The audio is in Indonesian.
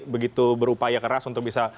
begitu berupaya keras untuk bisa